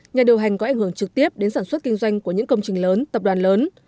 nhà điều hành có ảnh hưởng trực tiếp đến sản xuất kinh doanh của những công trình lớn tập đoàn lớn